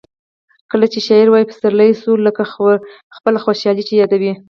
کله چي شاعر وايي پسرلی سو؛ لکه خپله خوشحالي چي یادوي.